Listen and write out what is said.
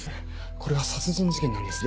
これは殺人事件なんですって。